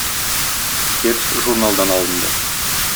Текст журналдан алынды.